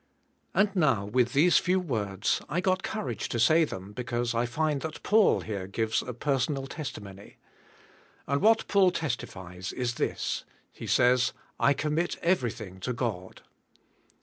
And now, with these few words, I got courage to say them because I find that Paul here gives a per sonal testimony. And what Paul testifies is this: He says, "I commit everything to God."